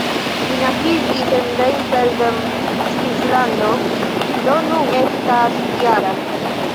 Li naskiĝis en Rheinfelden, Svislando, do nun estas -jara.